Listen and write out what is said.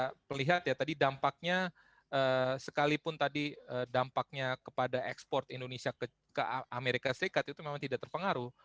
kita melihat ya tadi dampaknya sekalipun tadi dampaknya kepada ekspor indonesia ke amerika serikat itu memang tidak terpengaruh